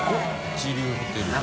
一流ホテルや。